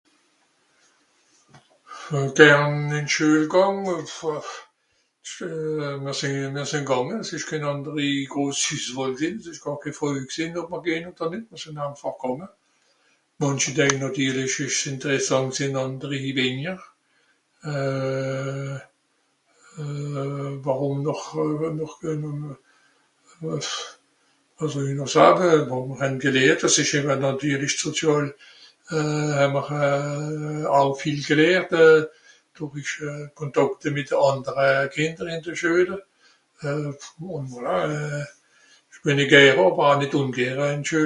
Euh... gern ìn d'Schüel gànge, pfouah... mr sìnn euh... mr sìnn gànge es ìsch kén ànderi (...), s'ìsch gàr ké Fröj gsìnn ob mìr gehn odder nìt mr sìn einfàch gànge. Mànchi denke nàtirlich es ìsch ìnteressànt gsìnn ànderi wenjer. Euh... warùm noch euh... pfff.... wàs soll i noch sawe, mìr hän gelehrt, dàs ìsch ìmmer nàtirlisch soziàl euh... au viel gelehrt, dùrich Kontàkte mìt de àndere Kìnder ìn de Schuel. euh... ùn voilà euh... ìch bìn nìt gère ùn au nìt ùngère ìn de Schüel.